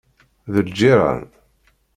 D lǧiran.